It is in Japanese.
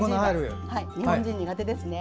日本人は苦手ですね。